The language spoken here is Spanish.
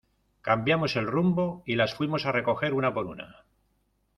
cambiamos el rumbo y las fuimos a recoger una por una